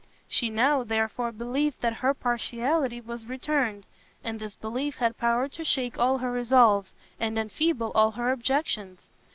She now, therefore, believed that her partiality was returned; and this belief had power to shake all her resolves, and enfeeble all her objections.